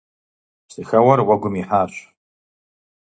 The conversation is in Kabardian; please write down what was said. Псыхэуэр уэгум ихьащ.